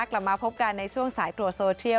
กลับมาพบกันในช่วงสายตรวจโซเทียล